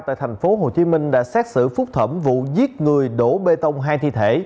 tại thành phố hồ chí minh đã xét xử phúc thẩm vụ giết người đổ bê tông hai thi thể